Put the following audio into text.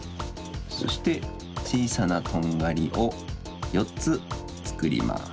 そしてちいさなとんがりをよっつつくります。